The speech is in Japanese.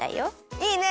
いいね！